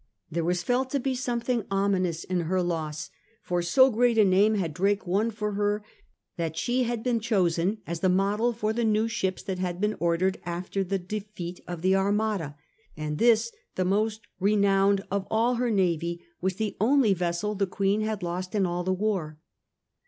There was felt to be something ominous in her loss. For so great a name had Drake won for her that she had been chosen as the model for the new ships that had been ordered after the defeat of the Armada, and this the most renowned of all her navy was the only vessel the Queen had lost in all the war.